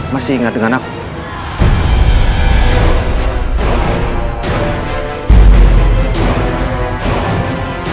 masih ingat dengan aku